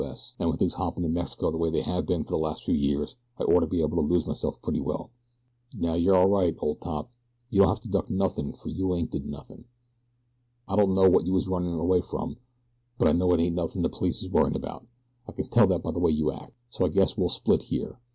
S., an' with things hoppin' in Mexico the way they have been for the last few years I orter be able to lose myself pretty well. "Now you're all right, ol' top. You don't have to duck nothin' for you ain't did nothin'. I don't know what you're runnin' away from; but I know it ain't nothin' the police is worryin' about I can tell that by the way you act so I guess we'll split here.